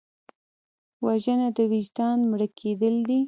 وژنه د وجدان مړه کېدل دي